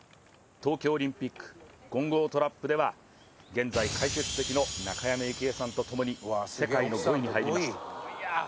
東京オリンピック混合トラップでは現在解説の中山由起枝さんと共に世界の５位に入りました。